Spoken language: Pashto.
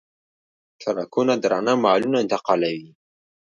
ټرکونه درانه مالونه انتقالوي.